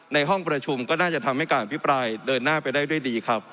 ในห้องประชุมก็น่าจะทำให้การอภิปรายเดินหน้าไปได้ด้วยดีครับ